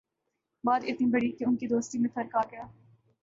بات اتنی بڑھی کہ ان کی دوستی میں فرق آگیا